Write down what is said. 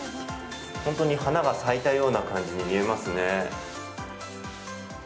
本当に花が咲いたような感じに見えますね。